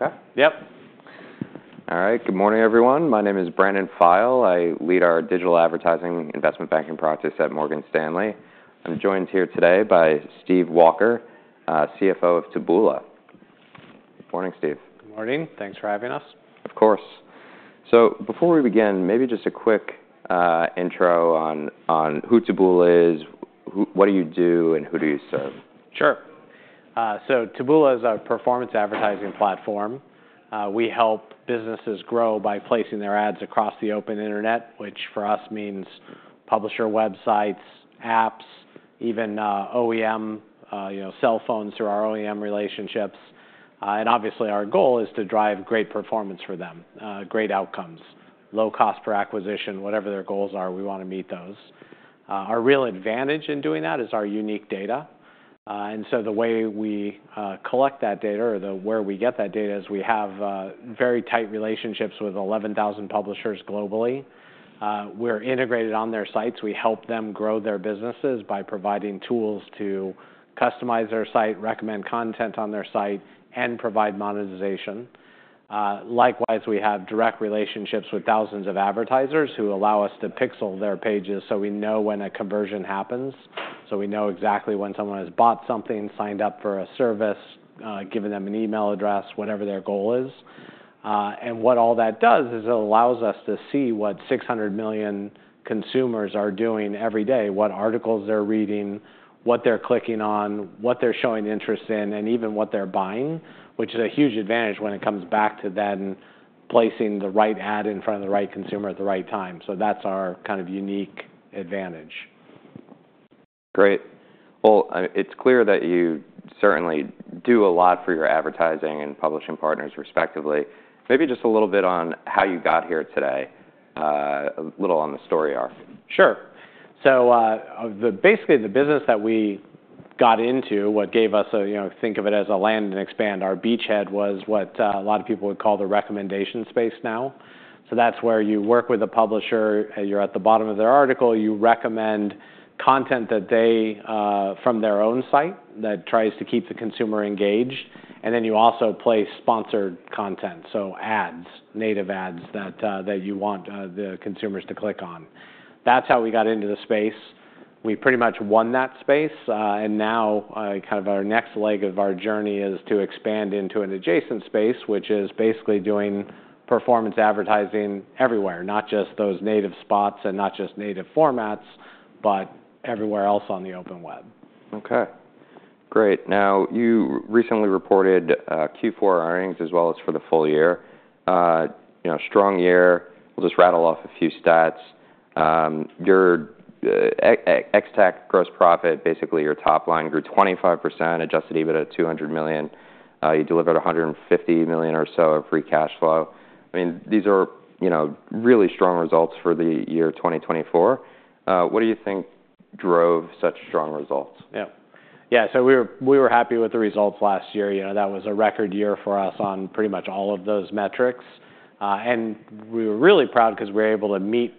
Okay. Yep. All right. Good morning, everyone. My name is Brandon Feil. I lead our digital advertising investment banking practice at Morgan Stanley. I'm joined here today by Steve Walker, CFO of Taboola. Good morning, Steve. Good morning. Thanks for having us. Of course. Before we begin, maybe just a quick intro on who Taboola is, what do you do, and who do you serve? Sure. Taboola is a performance advertising platform. We help businesses grow by placing their ads across the open internet, which for us means publisher websites, apps, even OEM cell phones through our OEM relationships. Obviously, our goal is to drive great performance for them, great outcomes, low cost per acquisition, whatever their goals are. We want to meet those. Our real advantage in doing that is our unique data. The way we collect that data, or where we get that data, is we have very tight relationships with 11,000 publishers globally. We're integrated on their sites. We help them grow their businesses by providing tools to customize their site, recommend content on their site, and provide monetization. Likewise, we have direct relationships with thousands of advertisers who allow us to pixel their pages so we know when a conversion happens, so we know exactly when someone has bought something, signed up for a service, given them an email address, whatever their goal is. What all that does is it allows us to see what 600 million consumers are doing every day, what articles they're reading, what they're clicking on, what they're showing interest in, and even what they're buying, which is a huge advantage when it comes back to then placing the right ad in front of the right consumer at the right time. That is our kind of unique advantage. Great. It is clear that you certainly do a lot for your advertising and publishing partners, respectively. Maybe just a little bit on how you got here today, a little on the story arc. Sure. So basically, the business that we got into, what gave us a think of it as a land and expand, our beachhead was what a lot of people would call the recommendation space now. So that's where you work with a publisher. You're at the bottom of their article. You recommend content from their own site that tries to keep the consumer engaged. And then you also place sponsored content, so ads, native ads that you want the consumers to click on. That's how we got into the space. We pretty much won that space. Now kind of our next leg of our journey is to expand into an adjacent space, which is basically doing performance advertising everywhere, not just those native spots and not just native formats, but everywhere else on the open web. Okay. Great. Now, you recently reported Q4 earnings as well as for the full year. Strong year. We'll just rattle off a few stats. Your ex-TAC gross profit, basically your top line, grew 25%, adjusted EBITDA $200 million. You delivered $150 million or so of free cash flow. I mean, these are really strong results for the year 2024. What do you think drove such strong results? Yeah. Yeah. We were happy with the results last year. That was a record year for us on pretty much all of those metrics. We were really proud because we were able to meet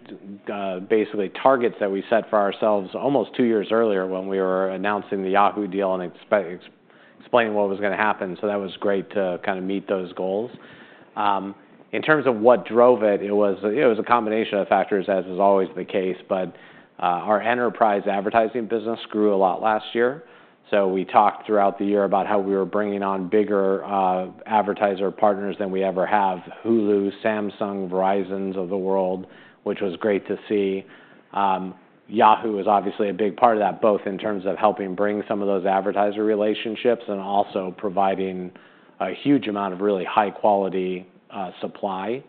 basically targets that we set for ourselves almost two years earlier when we were announcing the Yahoo deal and explaining what was going to happen. That was great to kind of meet those goals. In terms of what drove it, it was a combination of factors, as is always the case. Our enterprise advertising business grew a lot last year. We talked throughout the year about how we were bringing on bigger advertiser partners than we ever have: Hulu, Samsung, Verizons of the world, which was great to see. Yahoo is obviously a big part of that, both in terms of helping bring some of those advertiser relationships and also providing a huge amount of really high-quality supply.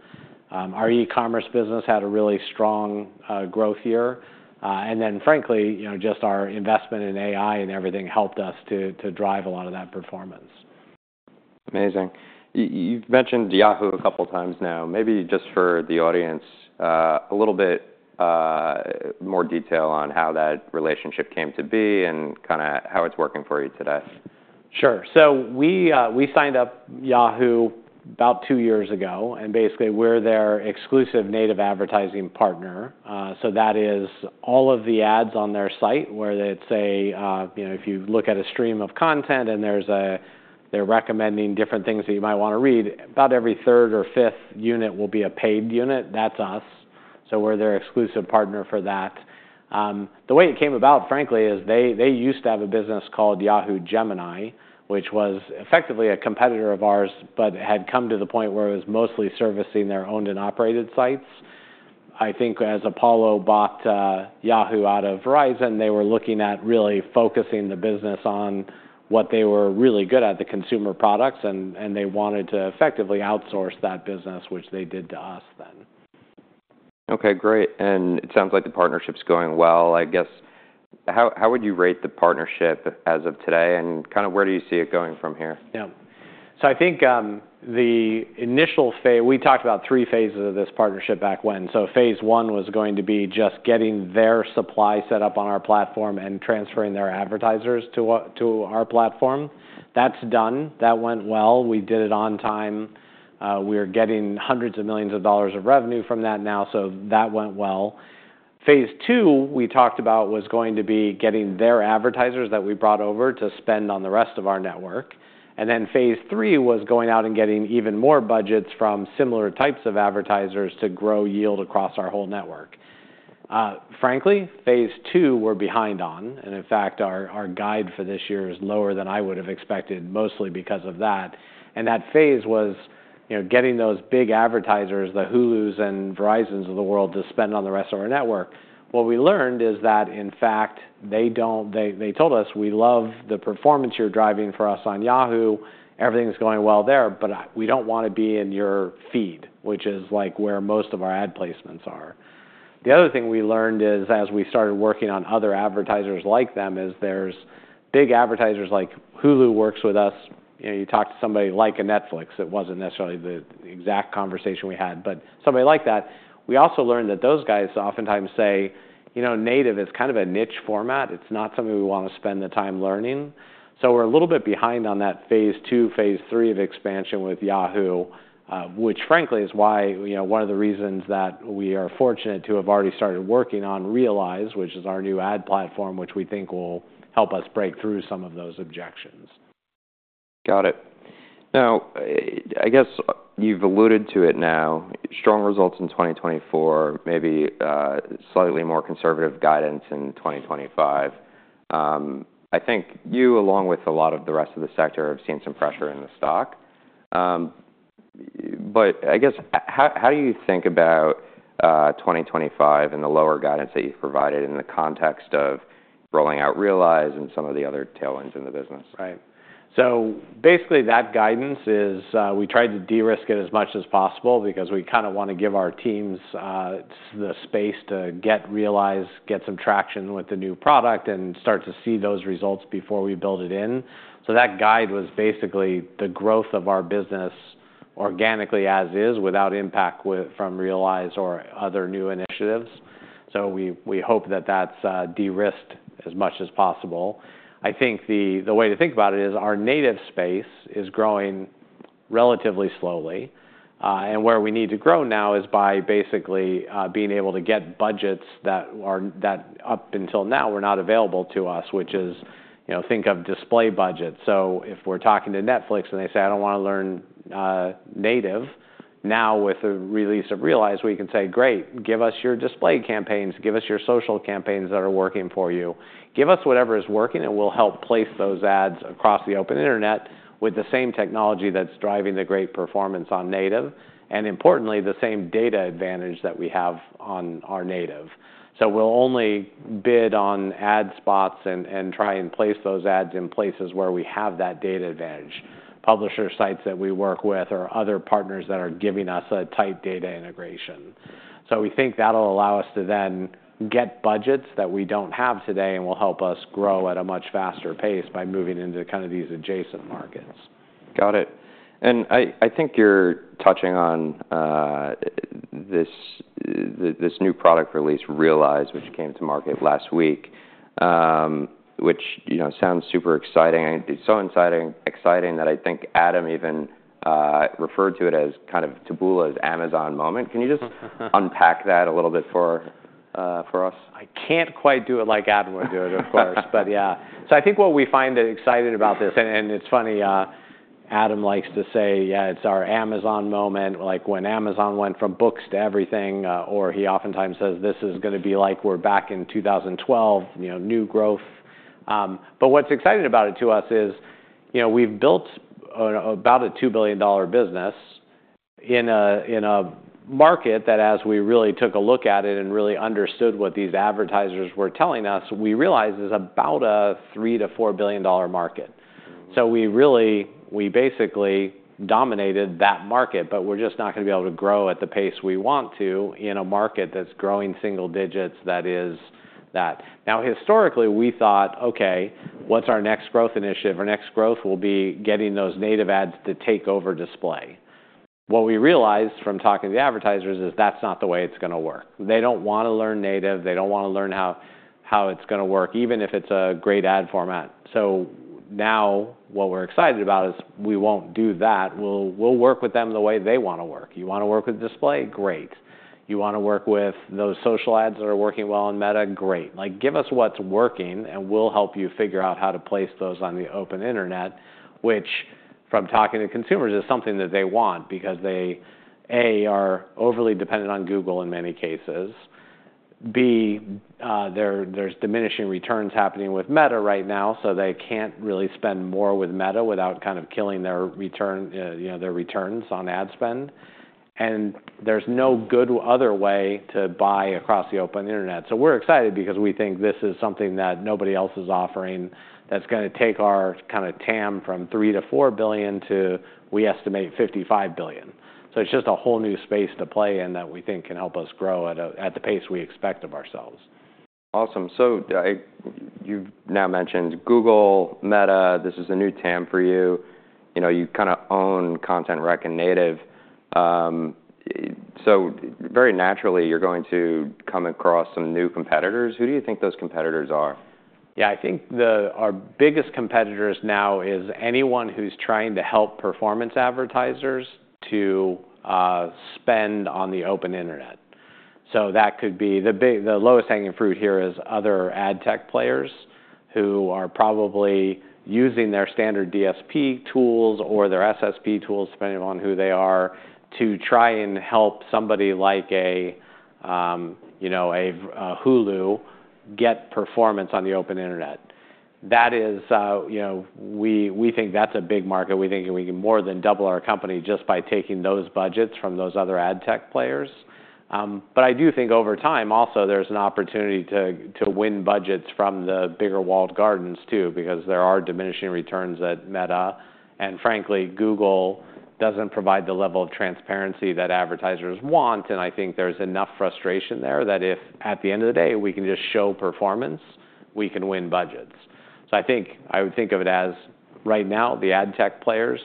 Our e-commerce business had a really strong growth year. Frankly, just our investment in AI and everything helped us to drive a lot of that performance. Amazing. You've mentioned Yahoo a couple of times now. Maybe just for the audience, a little bit more detail on how that relationship came to be and kind of how it's working for you today. Sure. We signed up Yahoo about two years ago. Basically, we're their exclusive native advertising partner. That is all of the ads on their site. If you look at a stream of content and they're recommending different things that you might want to read, about every third or fifth unit will be a paid unit. That's us. We're their exclusive partner for that. The way it came about, frankly, is they used to have a business called Yahoo Gemini, which was effectively a competitor of ours, but had come to the point where it was mostly servicing their owned and operated sites. I think as Apollo bought Yahoo out of Verizon, they were looking at really focusing the business on what they were really good at, the consumer products. They wanted to effectively outsource that business, which they did to us then. Okay. Great. It sounds like the partnership's going well. I guess, how would you rate the partnership as of today? Kind of where do you see it going from here? Yeah. I think the initial phase, we talked about three phases of this partnership back when. Phase one was going to be just getting their supply set up on our platform and transferring their advertisers to our platform. That's done. That went well. We did it on time. We are getting hundreds of millions of dollars of revenue from that now, so that went well. Phase two we talked about was going to be getting their advertisers that we brought over to spend on the rest of our network. Phase three was going out and getting even more budgets from similar types of advertisers to grow yield across our whole network. Frankly, phase two we're behind on. In fact, our guide for this year is lower than I would have expected, mostly because of that. That phase was getting those big advertisers, the Hulus and Verizons of the world, to spend on the rest of our network. What we learned is that, in fact, they told us, "We love the performance you're driving for us on Yahoo. Everything's going well there, but we don't want to be in your feed," which is where most of our ad placements are. The other thing we learned is, as we started working on other advertisers like them, is there's big advertisers like Hulu works with us. You talk to somebody like a Netflix. It wasn't necessarily the exact conversation we had, but somebody like that. We also learned that those guys oftentimes say, "Native is kind of a niche format. It's not something we want to spend the time learning. We're a little bit behind on that phase two, phase three of expansion with Yahoo, which frankly is why one of the reasons that we are fortunate to have already started working on Realize, which is our new ad platform, which we think will help us break through some of those objections. Got it. Now, I guess you've alluded to it now: strong results in 2024, maybe slightly more conservative guidance in 2025. I think you, along with a lot of the rest of the sector, have seen some pressure in the stock. I guess, how do you think about 2025 and the lower guidance that you've provided in the context of rolling out Realize and some of the other tailwinds in the business? Right. Basically, that guidance is we tried to de-risk it as much as possible because we kind of want to give our teams the space to get Realize, get some traction with the new product, and start to see those results before we build it in. That guide was basically the growth of our business organically as is, without impact from Realize or other new initiatives. We hope that is de-risked as much as possible. I think the way to think about it is our native space is growing relatively slowly. Where we need to grow now is by basically being able to get budgets that up until now were not available to us, which is think of display budgets. If we are talking to Netflix and they say, "I do not want to learn native," now with the release of Realize, we can say, "Great. Give us your display campaigns. Give us your social campaigns that are working for you. Give us whatever is working, and we'll help place those ads across the open internet with the same technology that's driving the great performance on native, and importantly, the same data advantage that we have on our native. We'll only bid on ad spots and try and place those ads in places where we have that data advantage. Publisher sites that we work with or other partners that are giving us a tight data integration. We think that'll allow us to then get budgets that we don't have today and will help us grow at a much faster pace by moving into kind of these adjacent markets. Got it. I think you're touching on this new product release, Realize, which came to market last week, which sounds super exciting. It's so exciting that I think Adam even referred to it as kind of Taboola's Amazon moment. Can you just unpack that a little bit for us? I can't quite do it like Adam would do it, of course, but yeah. I think what we find exciting about this, and it's funny, Adam likes to say, "Yeah, it's our Amazon moment," like when Amazon went from books to everything, or he oftentimes says, "This is going to be like we're back in 2012, new growth." What's exciting about it to us is we've built about a $2 billion business in a market that, as we really took a look at it and really understood what these advertisers were telling us, we realized is about a $3billion to $4 billion market. We basically dominated that market, but we're just not going to be able to grow at the pace we want to in a market that's growing single digits that is that. Now, historically, we thought, "Okay, what's our next growth initiative? Our next growth will be getting those native ads to take over display. What we realized from talking to the advertisers is that's not the way it's going to work. They don't want to learn native. They don't want to learn how it's going to work, even if it's a great ad format. Now what we're excited about is we won't do that. We'll work with them the way they want to work. You want to work with display? Great. You want to work with those social ads that are working well on Meta? Great. Give us what's working, and we'll help you figure out how to place those on the open internet, which, from talking to consumers, is something that they want because they, A, are overly dependent on Google in many cases. B, there's diminishing returns happening with Meta right now, so they can't really spend more with Meta without kind of killing their returns on ad spend. There's no good other way to buy across the open internet. We're excited because we think this is something that nobody else is offering that's going to take our kind of TAM from $3 billion to $4 billion to, we estimate, $55 billion. It's just a whole new space to play in that we think can help us grow at the pace we expect of ourselves. Awesome. You have now mentioned Google, Meta. This is a new TAM for you. You kind of own content rec and native. Very naturally, you are going to come across some new competitors. Who do you think those competitors are? Yeah. I think our biggest competitors now is anyone who's trying to help performance advertisers to spend on the open internet. That could be the lowest hanging fruit here is other ad tech players who are probably using their standard DSP tools or their SSP tools, depending on who they are, to try and help somebody like a Hulu get performance on the open internet. That is, we think that's a big market. We think we can more than double our company just by taking those budgets from those other ad tech players. I do think over time, also, there's an opportunity to win budgets from the bigger walled gardens too because there are diminishing returns at Meta. Frankly, Google doesn't provide the level of transparency that advertisers want. I think there's enough frustration there that if, at the end of the day, we can just show performance, we can win budgets. I think I would think of it as, right now, the ad tech players,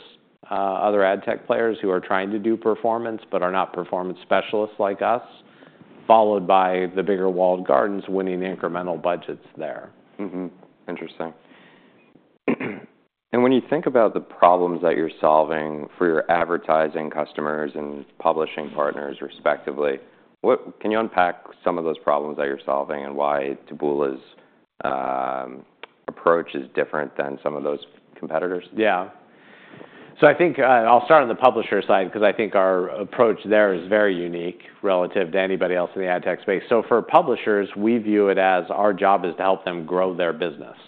other ad tech players who are trying to do performance but are not performance specialists like us, followed by the bigger walled gardens winning incremental budgets there. Interesting. When you think about the problems that you're solving for your advertising customers and publishing partners, respectively, can you unpack some of those problems that you're solving and why Taboola's approach is different than some of those competitors? Yeah. I think I'll start on the publisher side because I think our approach there is very unique relative to anybody else in the ad tech space. For publishers, we view it as our job is to help them grow their business.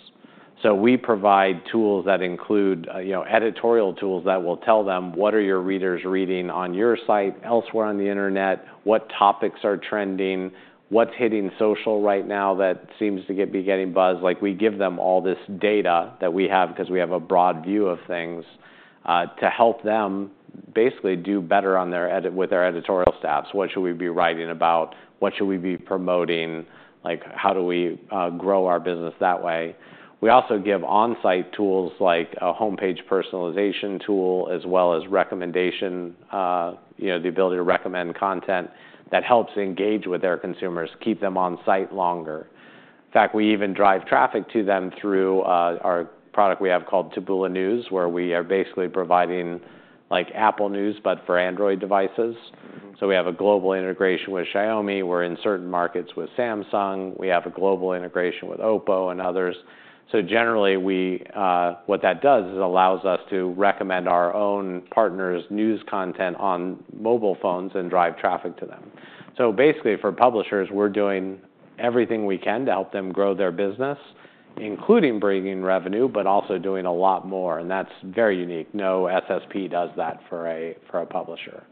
We provide tools that include editorial tools that will tell them, "What are your readers reading on your site elsewhere on the internet? What topics are trending? What's hitting social right now that seems to be getting buzz?" We give them all this data that we have because we have a broad view of things to help them basically do better with their editorial staffs. What should we be writing about? What should we be promoting? How do we grow our business that way? We also give on-site tools like a homepage personalization tool as well as recommendation, the ability to recommend content that helps engage with their consumers, keep them on site longer. In fact, we even drive traffic to them through our product we have called Taboola News, where we are basically providing Apple News but for Android devices. We have a global integration with Xiaomi. We're in certain markets with Samsung. We have a global integration with Oppo and others. Generally, what that does is allows us to recommend our own partners' news content on mobile phones and drive traffic to them. Basically, for publishers, we're doing everything we can to help them grow their business, including bringing revenue, but also doing a lot more. That's very unique. No SSP does that for a publisher.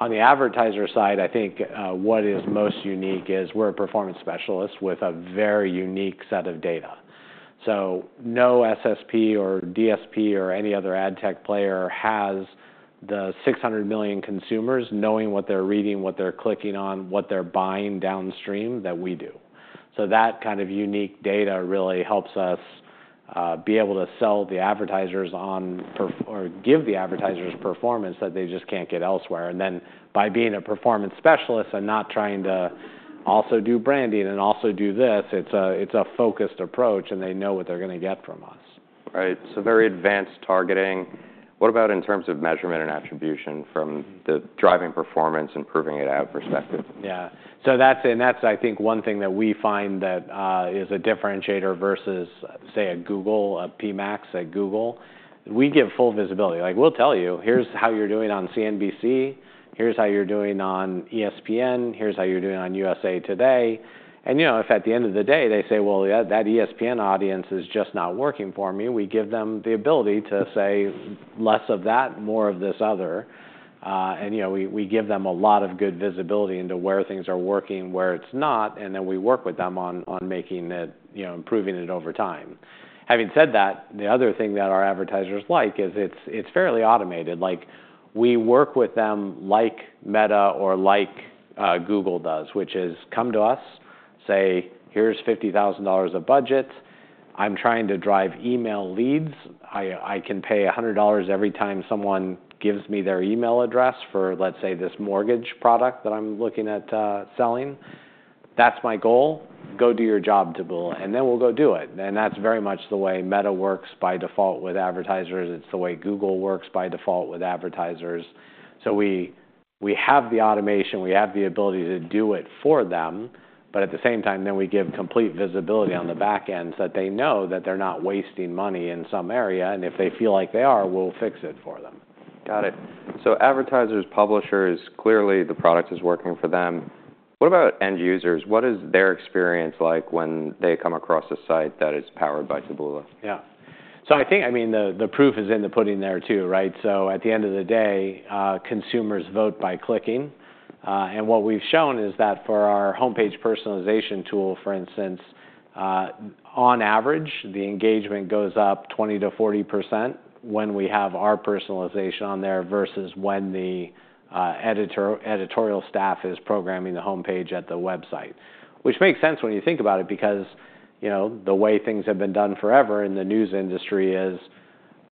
On the advertiser side, I think what is most unique is we're a performance specialist with a very unique set of data. No SSP or DSP or any other ad tech player has the 600 million consumers knowing what they're reading, what they're clicking on, what they're buying downstream that we do. That kind of unique data really helps us be able to sell the advertisers on or give the advertisers performance that they just can't get elsewhere. By being a performance specialist and not trying to also do branding and also do this, it's a focused approach, and they know what they're going to get from us. Right. So very advanced targeting. What about in terms of measurement and attribution from the driving performance and proving it out perspective? Yeah. That's, I think, one thing that we find that is a differentiator versus, say, a Google, a PMAX at Google. We give full visibility. We'll tell you, "Here's how you're doing on CNBC. Here's how you're doing on ESPN. Here's how you're doing on USA Today." If at the end of the day, they say, "That ESPN audience is just not working for me," we give them the ability to say, "Less of that, more of this other." We give them a lot of good visibility into where things are working, where it's not, and then we work with them on improving it over time. Having said that, the other thing that our advertisers like is it's fairly automated. We work with them like Meta or like Google does, which is come to us, say, "Here's $50,000 of budget. I'm trying to drive email leads. I can pay $100 every time someone gives me their email address for, let's say, this mortgage product that I'm looking at selling. That's my goal. Go do your job, Taboola. We will go do it. That is very much the way Meta works by default with advertisers. It is the way Google works by default with advertisers. We have the automation. We have the ability to do it for them. At the same time, we give complete visibility on the back end so that they know that they are not wasting money in some area. If they feel like they are, we will fix it for them. Got it. So advertisers, publishers, clearly the product is working for them. What about end users? What is their experience like when they come across a site that is powered by Taboola? Yeah. I think, I mean, the proof is in the pudding there too, right? At the end of the day, consumers vote by clicking. What we've shown is that for our homepage personalization tool, for instance, on average, the engagement goes up 20% to 40% when we have our personalization on there versus when the editorial staff is programming the homepage at the website, which makes sense when you think about it because the way things have been done forever in the news industry is,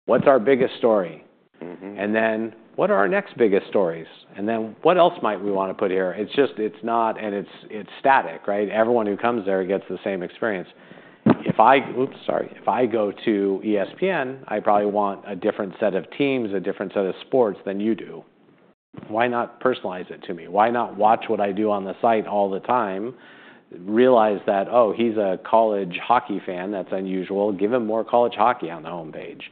"What's our biggest story? And then what are our next biggest stories? And then what else might we want to put here?" It's just, it's not, and it's static, right? Everyone who comes there gets the same experience. Oops, sorry. If I go to ESPN, I probably want a different set of teams, a different set of sports than you do. Why not personalize it to me? Why not watch what I do on the site all the time? Realize that, "Oh, he's a college hockey fan. That's unusual. Give him more college hockey on the homepage."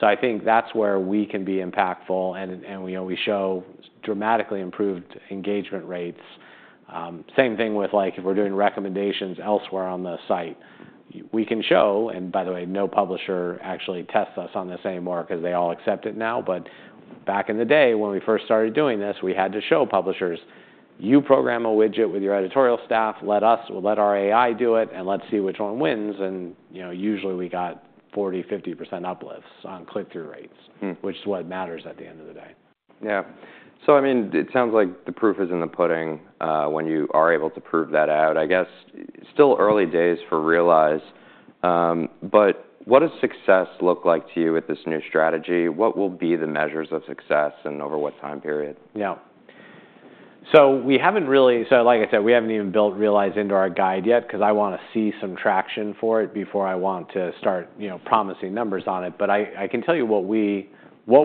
I think that's where we can be impactful, and we show dramatically improved engagement rates. Same thing with if we're doing recommendations elsewhere on the site. We can show, and by the way, no publisher actually tests us on this anymore because they all accept it now. Back in the day, when we first started doing this, we had to show publishers, "You program a widget with your editorial staff. Let our AI do it, and let's see which one wins." Usually, we got 40% to 50% uplifts on click-through rates, which is what matters at the end of the day. Yeah. I mean, it sounds like the proof is in the pudding when you are able to prove that out. I guess still early days for Realize. What does success look like to you with this new strategy? What will be the measures of success and over what time period? Yeah. We haven't really, like I said, we haven't even built Realize into our guide yet because I want to see some traction for it before I want to start promising numbers on it. I can tell you what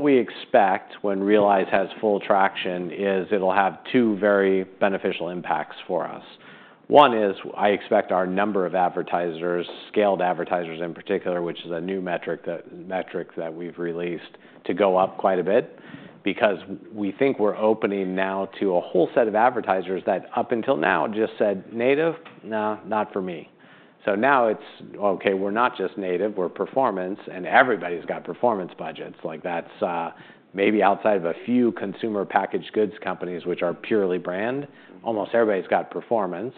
we expect when Realize has full traction is it'll have two very beneficial impacts for us. One is I expect our number of advertisers, scaled advertisers in particular, which is a new metric that we've released, to go up quite a bit because we think we're opening now to a whole set of advertisers that up until now just said, "Native, nah, not for me." Now it's, "Okay, we're not just native. We're performance." Everybody's got performance budgets. That's maybe outside of a few consumer packaged goods companies, which are purely brand. Almost everybody's got performance.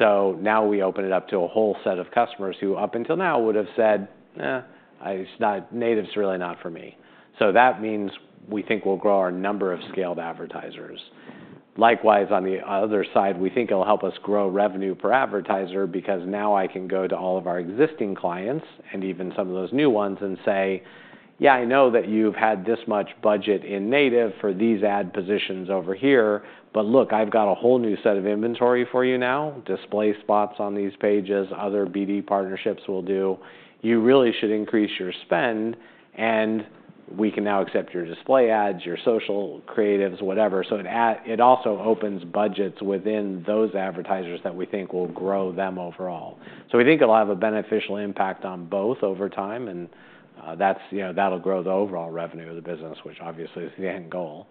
Now we open it up to a whole set of customers who up until now would have said, "Natives are really not for me." That means we think we'll grow our number of scaled advertisers. Likewise, on the other side, we think it'll help us grow revenue per advertiser because now I can go to all of our existing clients and even some of those new ones and say, "Yeah, I know that you've had this much budget in native for these ad positions over here, but look, I've got a whole new set of inventory for you now. Display spots on these pages. Other BD partnerships will do. You really should increase your spend, and we can now accept your display ads, your social creatives, whatever." It also opens budgets within those advertisers that we think will grow them overall. We think it'll have a beneficial impact on both over time, and that'll grow the overall revenue of the business, which obviously is the end goal.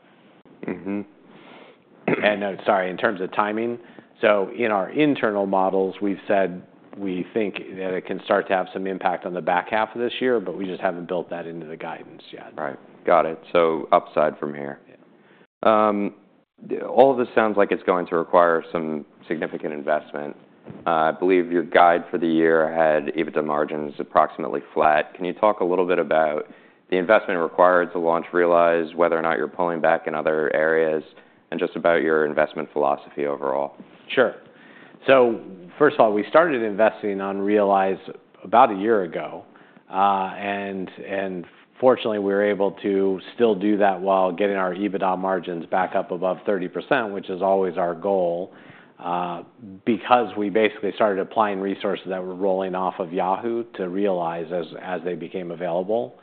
Sorry, in terms of timing, in our internal models, we've said we think that it can start to have some impact on the back half of this year, but we just haven't built that into the guidance yet. Right. Got it. Upside from here. All of this sounds like it's going to require some significant investment. I believe your guide for the year had EBITDA margins approximately flat. Can you talk a little bit about the investment required to launch Realize, whether or not you're pulling back in other areas, and just about your investment philosophy overall? Sure. First of all, we started investing on Realize about a year ago. Fortunately, we were able to still do that while getting our EBITDA margins back up above 30%, which is always our goal because we basically started applying resources that were rolling off of Yahoo to Realize as they became available.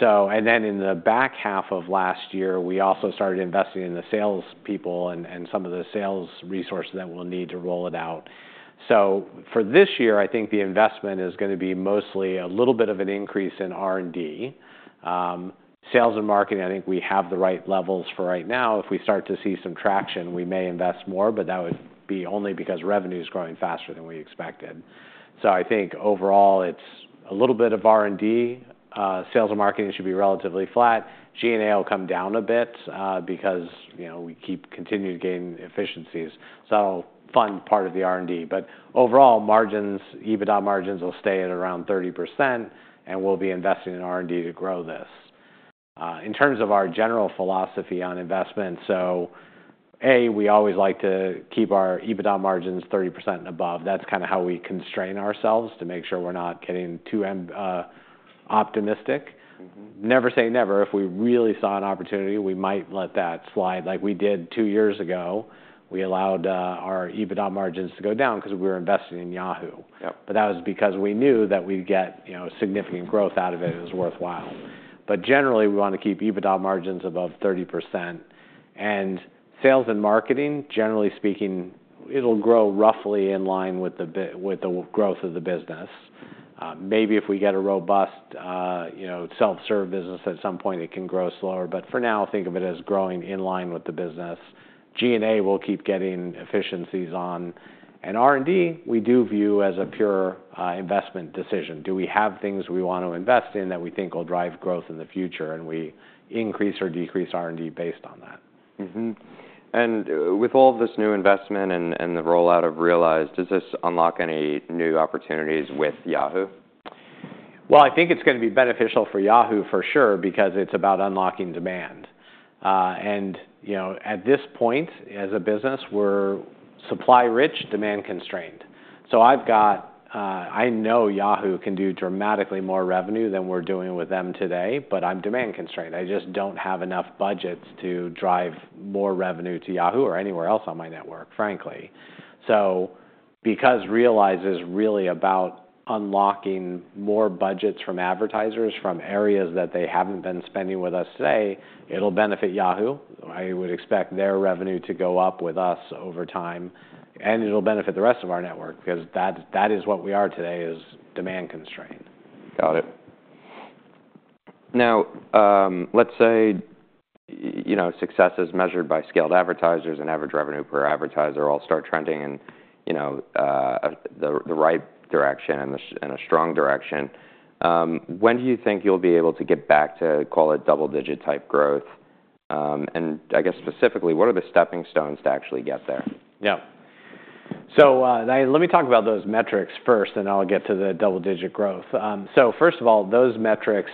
In the back half of last year, we also started investing in the salespeople and some of the sales resources that we'll need to roll it out. For this year, I think the investment is going to be mostly a little bit of an increase in R&D. Sales and marketing, I think we have the right levels for right now. If we start to see some traction, we may invest more, but that would be only because revenue is growing faster than we expected. I think overall, it's a little bit of R&D. Sales and marketing should be relatively flat. G&A will come down a bit because we keep continuing to gain efficiencies. That'll fund part of the R&D. Overall, margins, EBITDA margins will stay at around 30%, and we'll be investing in R&D to grow this. In terms of our general philosophy on investment, A, we always like to keep our EBITDA margins 30% and above. That's kind of how we constrain ourselves to make sure we're not getting too optimistic. Never say never. If we really saw an opportunity, we might let that slide. Like we did two years ago. We allowed our EBITDA margins to go down because we were investing in Yahoo. That was because we knew that we'd get significant growth out of it. It was worthwhile. Generally, we want to keep EBITDA margins above 30%. Sales and marketing, generally speaking, will grow roughly in line with the growth of the business. Maybe if we get a robust self-serve business at some point, it can grow slower. For now, think of it as growing in line with the business. G&A, we will keep getting efficiencies on. R&D, we do view as a pure investment decision. Do we have things we want to invest in that we think will drive growth in the future? We increase or decrease R&D based on that. With all of this new investment and the rollout of Realize, does this unlock any new opportunities with Yahoo? I think it's going to be beneficial for Yahoo for sure because it's about unlocking demand. At this point, as a business, we're supply-rich, demand-constrained. I know Yahoo can do dramatically more revenue than we're doing with them today, but I'm demand-constrained. I just don't have enough budgets to drive more revenue to Yahoo or anywhere else on my network, frankly. Realize is really about unlocking more budgets from advertisers from areas that they haven't been spending with us today, it'll benefit Yahoo. I would expect their revenue to go up with us over time. It'll benefit the rest of our network because that is what we are today, is demand-constrained. Got it. Now, let's say success is measured by scaled advertisers and average revenue per advertiser all start trending in the right direction and a strong direction. When do you think you'll be able to get back to, call it, double-digit type growth? I guess specifically, what are the stepping stones to actually get there? Yeah. Let me talk about those metrics first, and I'll get to the double-digit growth. First of all, those metrics,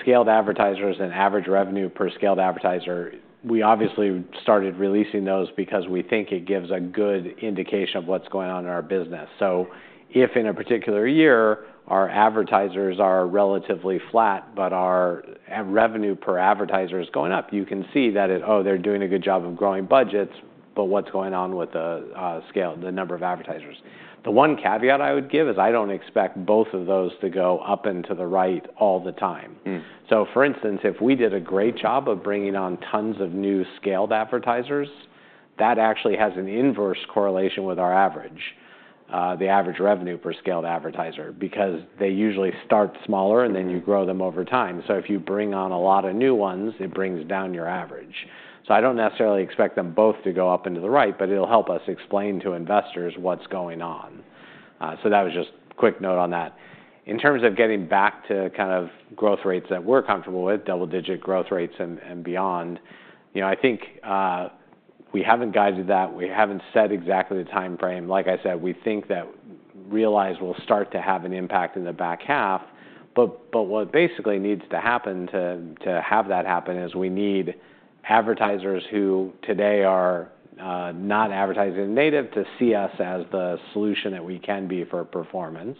scaled advertisers and average revenue per scaled advertiser, we obviously started releasing those because we think it gives a good indication of what's going on in our business. If in a particular year, our advertisers are relatively flat, but our revenue per advertiser is going up, you can see that, "Oh, they're doing a good job of growing budgets, but what's going on with the number of advertisers?" The one caveat I would give is I don't expect both of those to go up and to the right all the time. For instance, if we did a great job of bringing on tons of new scaled advertisers, that actually has an inverse correlation with our average, the average revenue per scaled advertiser because they usually start smaller, and then you grow them over time. If you bring on a lot of new ones, it brings down your average. I do not necessarily expect them both to go up and to the right, but it will help us explain to investors what is going on. That was just a quick note on that. In terms of getting back to kind of growth rates that we are comfortable with, double-digit growth rates and beyond, I think we have not guided that. We have not set exactly the time frame. Like I said, we think that Realize will start to have an impact in the back half. What basically needs to happen to have that happen is we need advertisers who today are not advertising in native to see us as the solution that we can be for performance.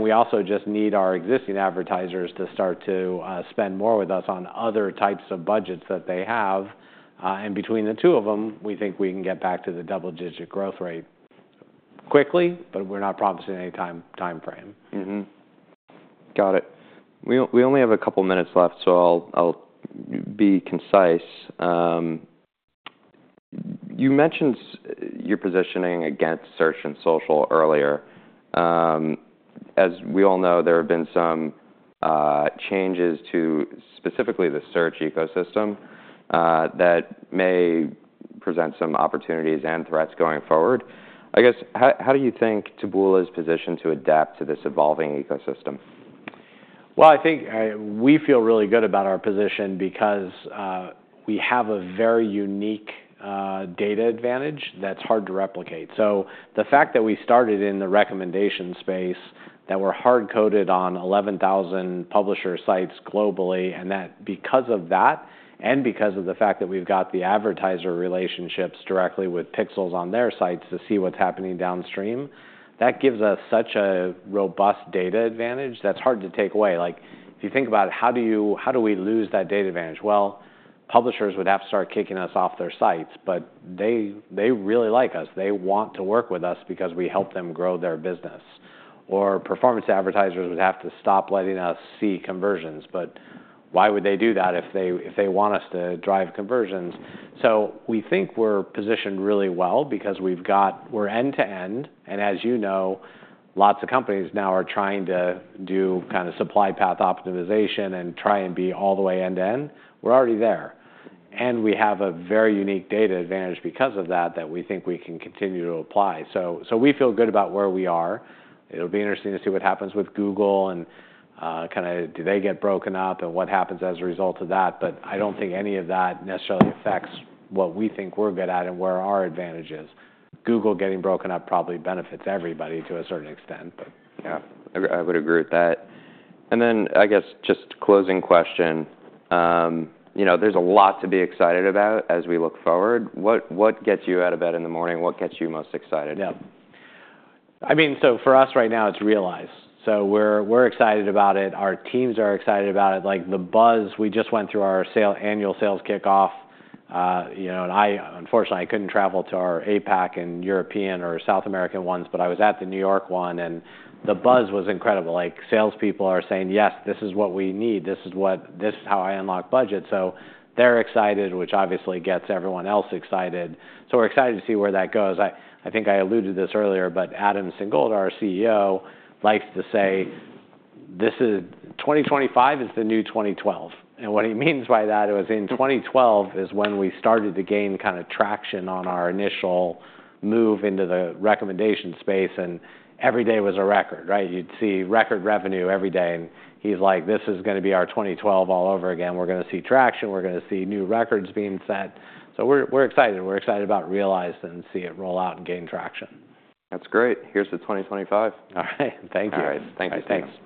We also just need our existing advertisers to start to spend more with us on other types of budgets that they have. Between the two of them, we think we can get back to the double-digit growth rate quickly, but we're not promising any time frame. Got it. We only have a couple of minutes left, so I'll be concise. You mentioned your positioning against Search and Social earlier. As we all know, there have been some changes to specifically the search ecosystem that may present some opportunities and threats going forward. I guess, how do you think Taboola.com's position to adapt to this evolving ecosystem? I think we feel really good about our position because we have a very unique data advantage that's hard to replicate. The fact that we started in the recommendation space, that we're hard-coded on 11,000 publisher sites globally, and that because of that and because of the fact that we've got the advertiser relationships directly with pixels on their sites to see what's happening downstream, that gives us such a robust data advantage that's hard to take away. If you think about it, how do we lose that data advantage? Publishers would have to start kicking us off their sites, but they really like us. They want to work with us because we help them grow their business. Or performance advertisers would have to stop letting us see conversions. Why would they do that if they want us to drive conversions? We think we're positioned really well because we're end-to-end. As you know, lots of companies now are trying to do kind of supply path optimization and try and be all the way end-to-end. We're already there. We have a very unique data advantage because of that that we think we can continue to apply. We feel good about where we are. It'll be interesting to see what happens with Google and kind of do they get broken up and what happens as a result of that. I don't think any of that necessarily affects what we think we're good at and where our advantage is. Google getting broken up probably benefits everybody to a certain extent. Yeah. I would agree with that. I guess just closing question. There's a lot to be excited about as we look forward. What gets you out of bed in the morning? What gets you most excited? Yeah. I mean, for us right now, it's Realize. We're excited about it. Our teams are excited about it. The buzz, we just went through our annual sales kickoff. Unfortunately, I couldn't travel to our APAC and European or South American ones, but I was at the New York one, and the buzz was incredible. Salespeople are saying, "Yes, this is what we need. This is how I unlock budgets." They're excited, which obviously gets everyone else excited. We're excited to see where that goes. I think I alluded to this earlier, but Adam Singolda, our CEO, likes to say, "2025 is the new 2012." What he means by that is in 2012 is when we started to gain kind of traction on our initial move into the recommendation space, and every day was a record, right? You'd see record revenue every day. He is like, "This is going to be our 2012 all over again. We are going to see traction. We are going to see new records being set." We are excited. We are excited about Realize and see it roll out and gain traction. That's great. Here's to 2025. All right. Thank you. All right. Thank you. Thanks.